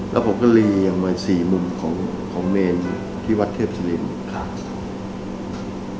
แล้วผมก็เลียงมาสี่มุมของเมนที่วัดเทพศิรินทร์